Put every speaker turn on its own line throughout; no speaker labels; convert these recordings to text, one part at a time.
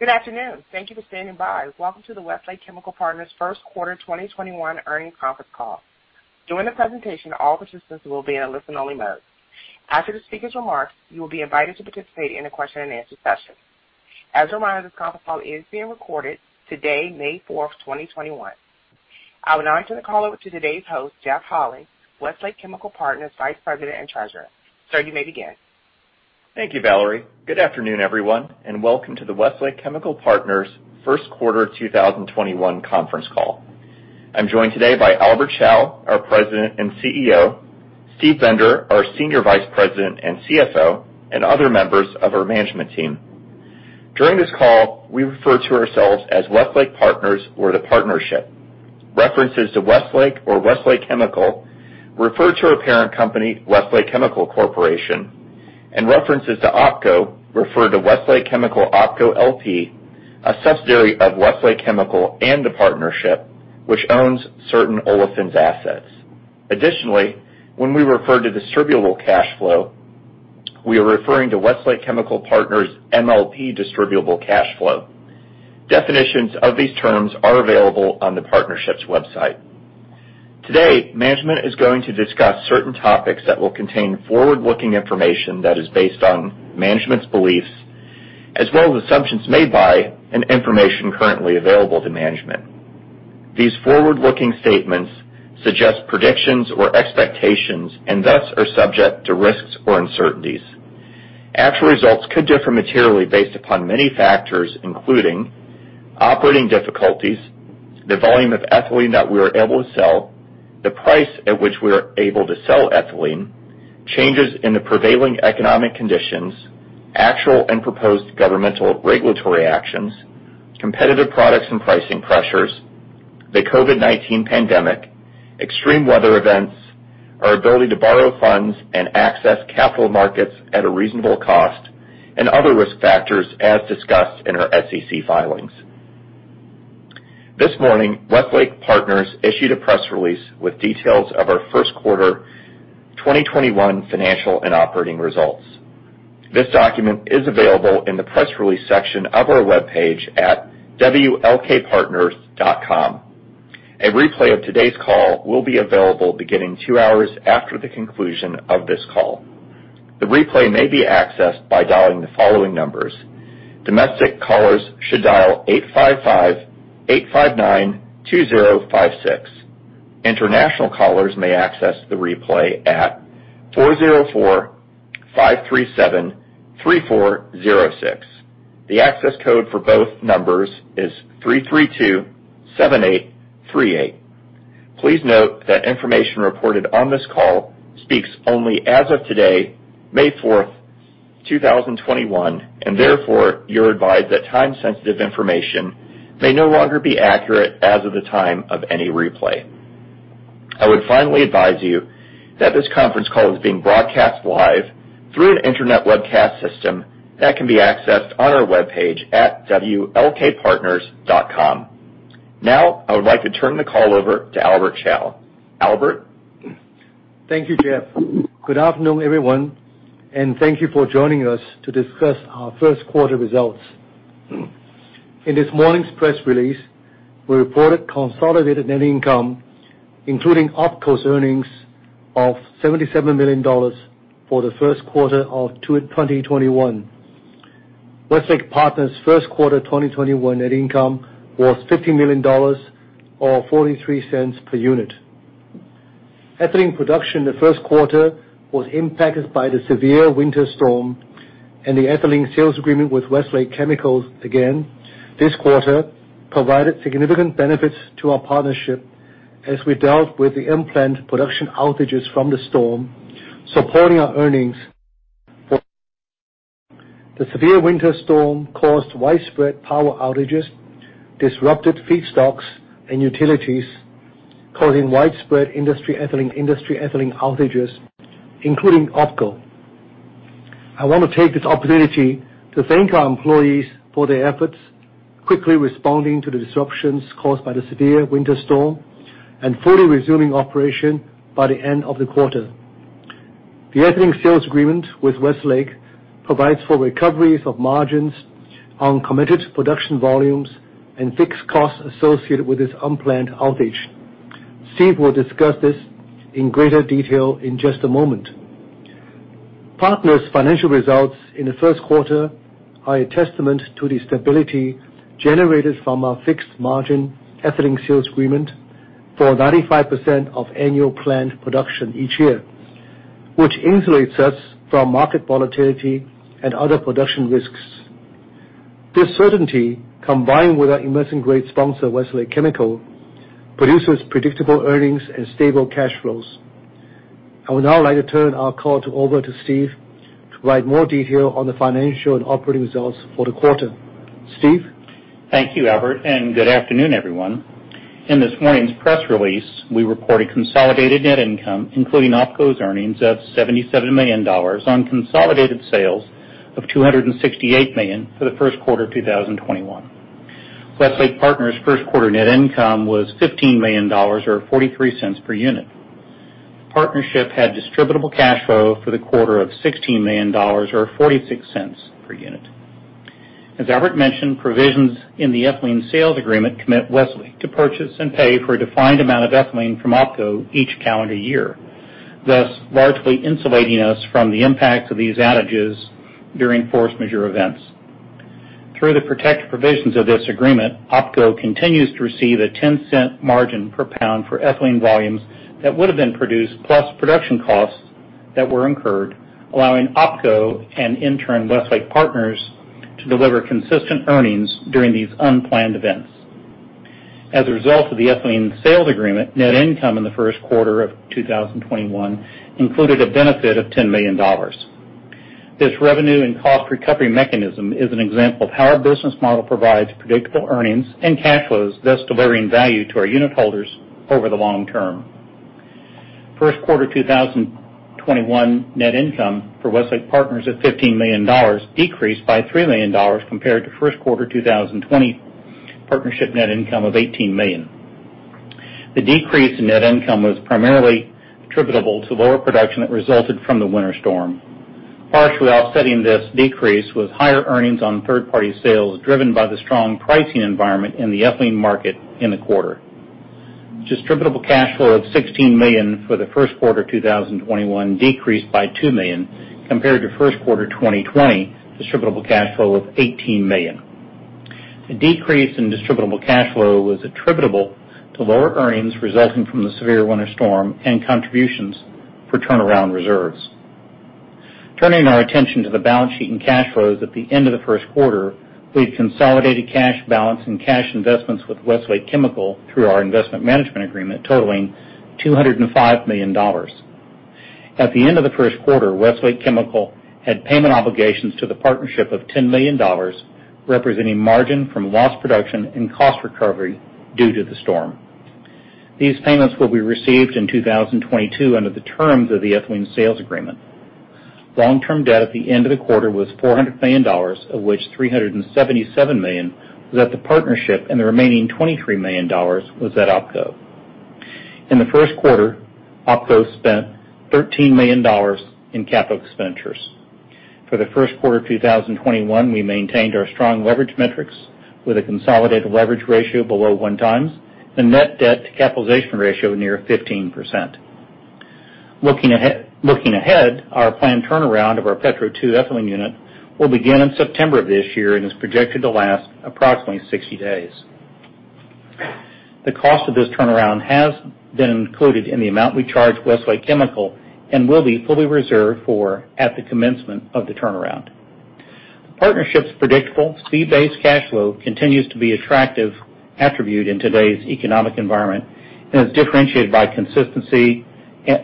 Good afternoon. Thank you for standing by. Welcome to the Westlake Chemical Partners first quarter 2021 earnings conference call. During the presentation, all participants will be in listen only mode. After the speaker's remarks, you will be invited to participate in a question and answer session. As a reminder, this conference call is being recorded today, May 4th, 2021. I would now like to hand the call over to today's host, Jeff Holy, Westlake Chemical Partners Vice President and Treasurer. Sir, you may begin.
Thank you, Valerie. Good afternoon, everyone, and welcome to the Westlake Chemical Partners first quarter 2021 conference call. I'm joined today by Albert Chao, our President and CEO, Steve Bender, our Senior Vice President and CFO, and other members of our management team. During this call, we refer to ourselves as Westlake Partners or the Partnership. References to Westlake or Westlake Chemical refer to our parent company, Westlake Chemical Corporation, and references to OpCo refer to Westlake Chemical OpCo LP, a subsidiary of Westlake Chemical and the Partnership, which owns certain olefins assets. Additionally, when we refer to distributable cash flow, we are referring to Westlake Chemical Partners MLP distributable cash flow. Definitions of these terms are available on the Partnership's website. Today, management is going to discuss certain topics that will contain forward-looking information that is based on management's beliefs as well as assumptions made by and information currently available to management. These forward-looking statements suggest predictions or expectations and thus are subject to risks or uncertainties. Actual results could differ materially based upon many factors, including operating difficulties, the volume of ethylene that we are able to sell, the price at which we are able to sell ethylene, changes in the prevailing economic conditions, actual and proposed governmental regulatory actions, competitive products and pricing pressures, the COVID-19 pandemic, extreme weather events, our ability to borrow funds and access capital markets at a reasonable cost, and other risk factors as discussed in our SEC filings. This morning, Westlake Chemical Partners issued a press release with details of our first quarter 2021 financial and operating results. This document is available in the press release section of our webpage at wlkpartners.com. A replay of today's call will be available beginning two hours after the conclusion of this call. The replay may be accessed by dialing the following numbers. Domestic callers should dial 855-859-2056. International callers may access the replay at 404-537-3406. The access code for both numbers is 3327838. Please note that information reported on this call speaks only as of today, May 4th, 2021, and therefore you're advised that time-sensitive information may no longer be accurate as of the time of any replay. I would finally advise you that this conference call is being broadcast live through an internet webcast system that can be accessed on our webpage at wlkpartners.com. Now, I would like to turn the call over to Albert Chao. Albert?
Thank you, Jeff. Good afternoon, everyone, thank you for joining us to discuss our first quarter results. In this morning's press release, we reported consolidated net income including OpCo's earnings of $77 million for the first quarter of 2021. Westlake Partners first quarter 2021 net income was $15 million or $0.43 per unit. Ethylene production in the first quarter was impacted by the severe winter storm, the ethylene sales agreement with Westlake Chemical again this quarter provided significant benefits to our partnership as we dealt with the unplanned production outages from the storm supporting our earnings. The severe winter storm caused widespread power outages, disrupted feedstocks and utilities, causing widespread industry ethylene outages, including OpCo. I want to take this opportunity to thank our employees for their efforts, quickly responding to the disruptions caused by the severe winter storm and fully resuming operation by the end of the quarter. The ethylene sales agreement with Westlake provides for recoveries of margins on committed production volumes and fixed costs associated with this unplanned outage. Steve will discuss this in greater detail in just a moment. Partners' financial results in the first quarter are a testament to the stability generated from our fixed-margin ethylene sales agreement for 95% of annual plant production each year, which insulates us from market volatility and other production risks. This certainty, combined with our investment-grade sponsor, Westlake Chemical, produces predictable earnings and stable cash flows. I would now like to turn our call over to Steve to provide more detail on the financial and operating results for the quarter. Steve?
Thank you, Albert, and good afternoon, everyone. In this morning's press release, we reported consolidated net income including OpCo's earnings of $77 million on consolidated sales of $268 million for the first quarter of 2021. Westlake Partners' first quarter net income was $15 million or $0.43 per unit. Westlake Chemical Partners had distributable cash flow for the quarter of $16 million, or $0.46 per unit. As Albert mentioned, provisions in the ethylene sales agreement commit Westlake to purchase and pay for a defined amount of ethylene from OpCo each calendar year, thus largely insulating us from the impacts of these outages during force majeure events. Through the protective provisions of this agreement, OpCo continues to receive a $0.10 margin per pound for ethylene volumes that would have been produced, plus production costs that were incurred, allowing OpCo and in turn Westlake Chemical Partners to deliver consistent earnings during these unplanned events. As a result of the ethylene sales agreement, net income in the first quarter of 2021 included a benefit of $10 million. This revenue and cost recovery mechanism is an example of how our business model provides predictable earnings and cash flows, thus delivering value to our unitholders over the long term. First quarter 2021 net income for Westlake Chemical Partners is $15 million, decreased by $3 million compared to first quarter 2020 partnership net income of $18 million. The decrease in net income was primarily attributable to lower production that resulted from the winter storm. Partially offsetting this decrease was higher earnings on third-party sales, driven by the strong pricing environment in the ethylene market in the quarter. distributable cash flow of $16 million for the first quarter 2021 decreased by $2 million compared to first quarter 2020 distributable cash flow of $18 million. The decrease in distributable cash flow was attributable to lower earnings resulting from the severe winter storm and contributions for turnaround reserves. Turning our attention to the balance sheet and cash flows at the end of the first quarter, we had consolidated cash balance and cash investments with Westlake Chemical through our investment management agreement totaling $205 million. At the end of the first quarter, Westlake Chemical had payment obligations to the partnership of $10 million, representing margin from lost production and cost recovery due to the storm. These payments will be received in 2022 under the terms of the ethylene sales agreement. Long-term debt at the end of the quarter was $400 million, of which $377 million was at the partnership and the remaining $23 million was at OpCo. In the first quarter, OpCo spent $13 million in capital expenditures. For the first quarter 2021, we maintained our strong leverage metrics with a consolidated leverage ratio below one times and net debt to capitalization ratio near 15%. Looking ahead, our planned turnaround of our Petro 2 ethylene unit will begin in September of this year and is projected to last approximately 60 days. The cost of this turnaround has been included in the amount we charged Westlake Chemical and will be fully reserved for at the commencement of the turnaround. The partnership's predictable fee-based cash flow continues to be attractive attribute in today's economic environment and is differentiated by consistency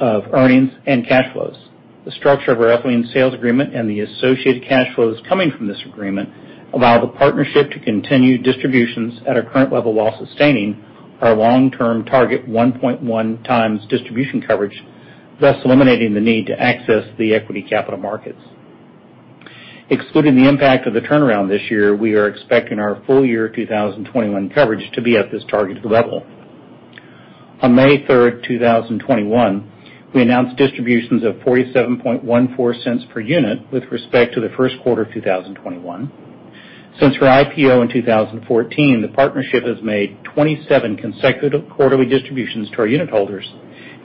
of earnings and cash flows. The structure of our ethylene sales agreement and the associated cash flows coming from this agreement allow the partnership to continue distributions at our current level while sustaining our long-term target 1.1 times distribution coverage, thus eliminating the need to access the equity capital markets. Excluding the impact of the turnaround this year, we are expecting our full year 2021 coverage to be at this target level. On May 3rd, 2021, we announced distributions of $0.4714 per unit with respect to the first quarter 2021. Since our IPO in 2014, the partnership has made 27 consecutive quarterly distributions to our unitholders,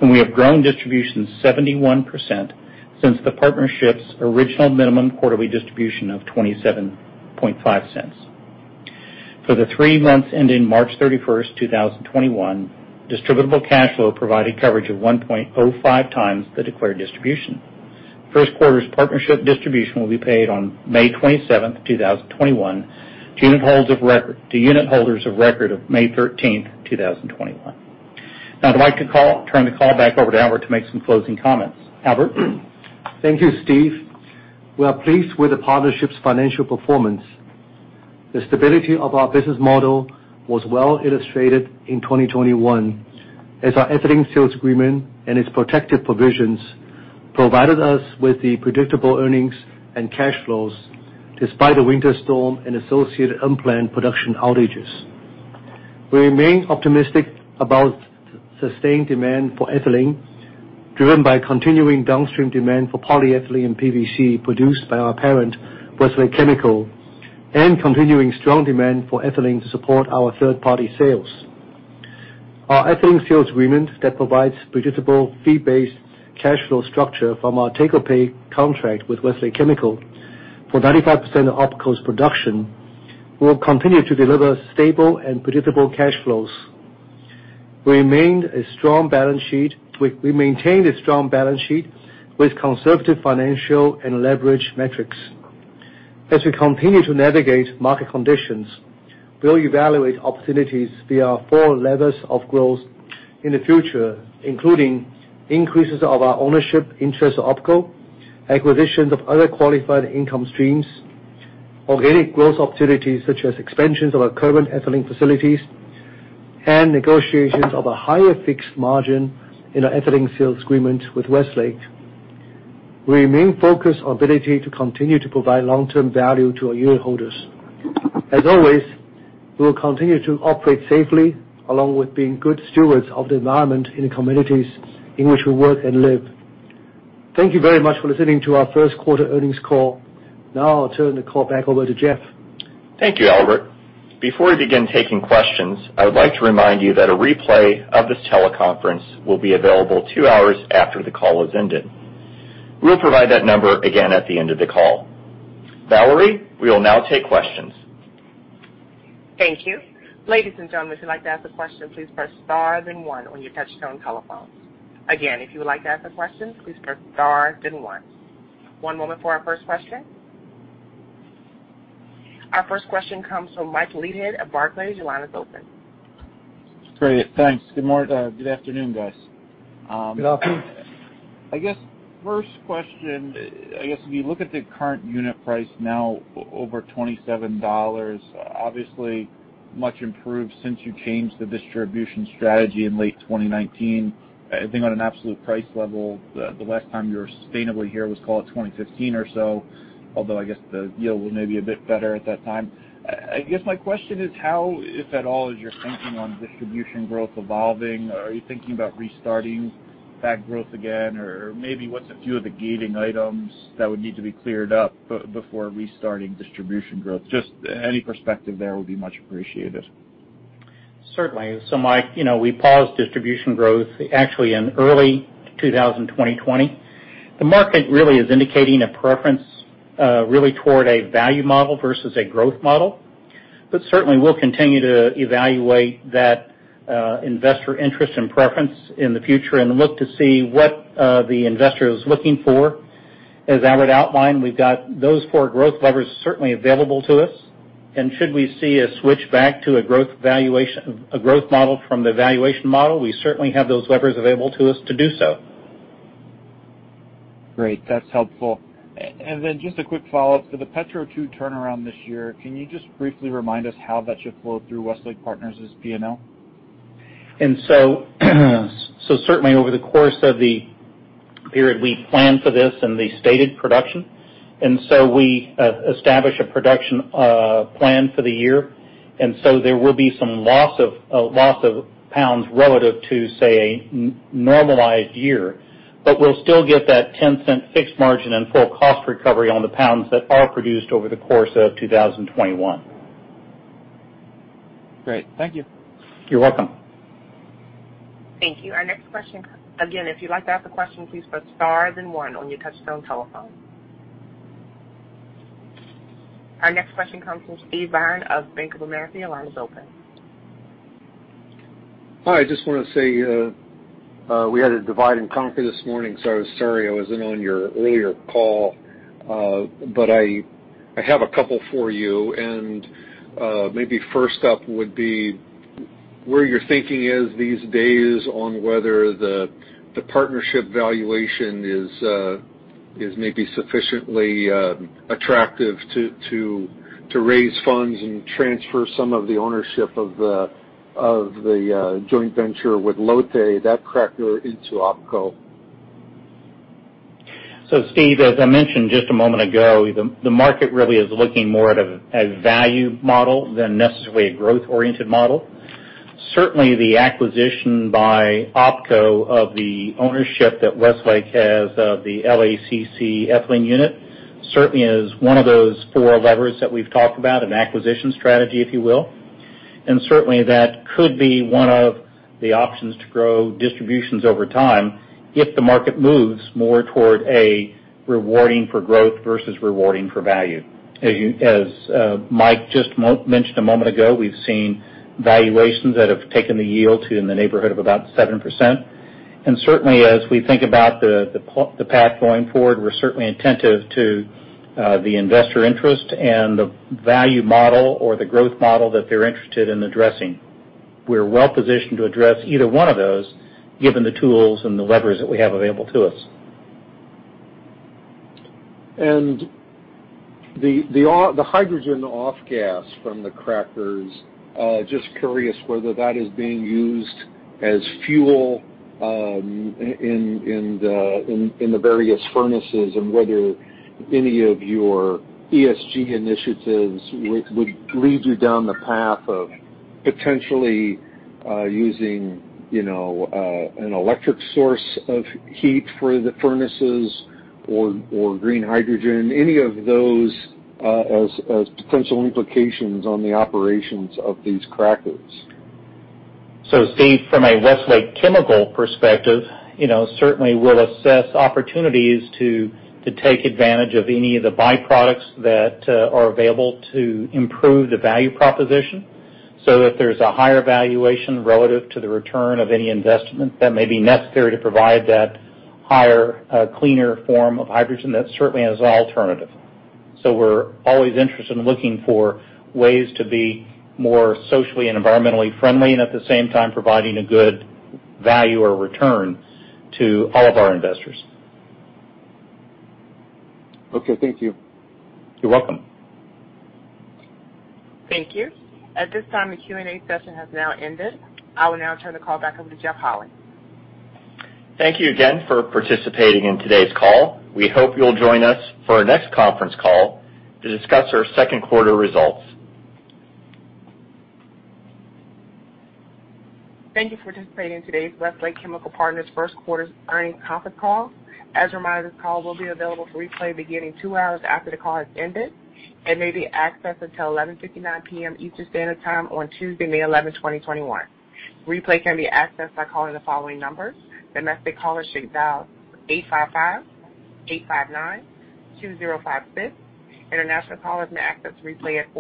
and we have grown distributions 71% since the partnership's original minimum quarterly distribution of $0.275. For the three months ending March 31st, 2021, distributable cash flow provided coverage of 1.05 times the declared distribution. First quarter's partnership distribution will be paid on May 27th, 2021 to unitholders of record of May 13th, 2021. I'd like to turn the call back over to Albert to make some closing comments. Albert?
Thank you, Steve. We are pleased with the partnership's financial performance. The stability of our business model was well illustrated in 2021 as our ethylene sales agreement and its protective provisions provided us with the predictable earnings and cash flows despite the winter storm and associated unplanned production outages. We remain optimistic about sustained demand for ethylene, driven by continuing downstream demand for polyethylene PVC produced by our parent, Westlake Chemical, and continuing strong demand for ethylene to support our third-party sales. Our ethylene sales agreement that provides predictable fee-based cash flow structure from our take-or-pay contract with Westlake Chemical for 95% of OpCo's production will continue to deliver stable and predictable cash flows. We maintained a strong balance sheet with conservative financial and leverage metrics. As we continue to navigate market conditions, we'll evaluate opportunities via four levers of growth in the future, including increases of our ownership interest in OpCo, acquisitions of other qualified income streams, organic growth opportunities such as expansions of our current ethylene facilities, and negotiations of a higher fixed margin in our ethylene sales agreement with Westlake. We remain focused on our ability to continue to provide long-term value to our unitholders. As always, we will continue to operate safely, along with being good stewards of the environment and communities in which we work and live. Thank you very much for listening to our first quarter earnings call. Now I'll turn the call back over to Jeff.
Thank you, Albert. Before we begin taking questions, I would like to remind you that a replay of this teleconference will be available two hours after the call has ended. We'll provide that number again at the end of the call. Valerie, we will now take questions.
Thank you. Ladies and gentlemen, if you'd like to ask a question, please press star then one on your touchtone telephones. Again, if you would like to ask a question, please press star then one. One moment for our first question. Our first question comes from Mike Leithead at Barclays. Your line is open.
Great. Thanks. Good afternoon, guys.
Good afternoon.
I guess first question, if you look at the current unit price now over $27, obviously much improved since you changed the distribution strategy in late 2019. I think on an absolute price level, the last time you were sustainably here was call it 2015 or so, although I guess the yield was maybe a bit better at that time. I guess my question is how, if at all, is your thinking on distribution growth evolving? Are you thinking about restarting that growth again? Maybe what's a few of the gating items that would need to be cleared up before restarting distribution growth? Just any perspective there would be much appreciated.
Certainly. Mike, we paused distribution growth actually in early 2020. The market really is indicating a preference really toward a value model versus a growth model. Certainly we'll continue to evaluate that investor interest and preference in the future and look to see what the investor is looking for. As I would outline, we've got those four growth levers certainly available to us. Should we see a switch back to a growth model from the valuation model, we certainly have those levers available to us to do so.
Great. That's helpful. Just a quick follow-up. For the Petro 2 turnaround this year, can you just briefly remind us how that should flow through Westlake Partners' P&L?
Certainly over the course of the year, we planned for this in the stated production. We established a production plan for the year. There will be some loss of pounds relative to, say, a normalized year. We'll still get that $0.10 fixed margin and full cost recovery on the pounds that are produced over the course of 2021.
Great. Thank you.
You're welcome.
Thank you. Our next question. If you'd like to ask a question, please press star then one on your touchtone telephone. Our next question comes from Steve Byrne of Bank of America. Your line is open.
Hi, I just want to say we had a divide and conquer this morning, so sorry I wasn't in on your earlier call. I have a couple for you. Maybe first up would be where your thinking is these days on whether the partnership valuation is maybe sufficiently attractive to raise funds and transfer some of the ownership of the joint venture with Lotte, that cracker into OpCo.
Steve, as I mentioned just a moment ago, the market really is looking more at a value model than necessarily a growth-oriented model. Certainly, the acquisition by OpCo of the ownership that Westlake has of the LACC ethylene unit certainly is one of those four levers that we've talked about, an acquisition strategy, if you will. Certainly that could be one of the options to grow distributions over time if the market moves more toward a rewarding for growth versus rewarding for value. As Mike just mentioned a moment ago, we've seen valuations that have taken the yield to in the neighborhood of about 7%. Certainly as we think about the path going forward, we're certainly attentive to the investor interest and the value model or the growth model that they're interested in addressing. We're well-positioned to address either one of those given the tools and the levers that we have available to us.
The hydrogen off-gas from the crackers, just curious whether that is being used as fuel in the various furnaces and whether any of your ESG initiatives would lead you down the path of potentially using an electric source of heat for the furnaces or green hydrogen, any of those as potential implications on the operations of these crackers?
Steve, from a Westlake Chemical perspective, certainly we'll assess opportunities to take advantage of any of the byproducts that are available to improve the value proposition. If there's a higher valuation relative to the return of any investment that may be necessary to provide that higher, cleaner form of hydrogen, that certainly is an alternative. We're always interested in looking for ways to be more socially and environmentally friendly and at the same time providing a good value or return to all of our investors.
Okay. Thank you.
You're welcome.
Thank you. At this time, the Q&A session has now ended. I will now turn the call back over to Jeff Holy.
Thank you again for participating in today's call. We hope you'll join us for our next conference call to discuss our second quarter results.
Thank you for participating in today's Westlake Chemical Partners first quarter earnings conference call. As a reminder, this call will be available for replay beginning two hours after the call has ended and may be accessed until 11:59 PM Eastern Standard Time on Tuesday, May 11, 2021. The replay can be accessed by calling the following numbers. Domestic callers, dial 855-859-2056. International callers may access the replay at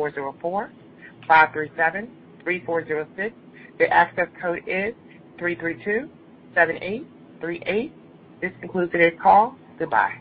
404-537-3406. The access code is 3327838. This concludes today's call. Goodbye.